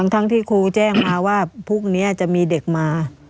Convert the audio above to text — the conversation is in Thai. ทั้งที่ครูแจ้งมาว่าพรุ่งนี้จะมีเด็กมา